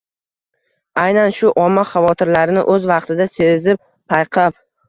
Aynan shu – omma xavotirlarini o‘z vaqtida sezib, payqab